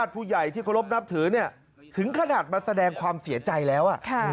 ผู้ใหญ่ที่เคารพนับถือถึงขนาดมาแสดงความเสียใจแล้ว